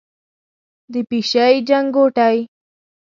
د پیشۍ چنګوټی،